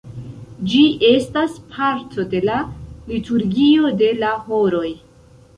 Ĝi estas parto de la liturgio de la horoj.